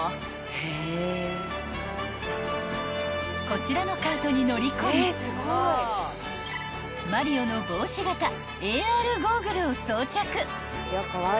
［こちらのカートに乗り込みマリオの帽子形ＡＲゴーグルを装着］